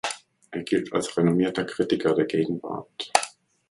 Er gilt als renommierter Kritiker der Gegenwart.